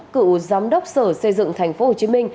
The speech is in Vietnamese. cựu giám đốc sở xây dựng tp hcm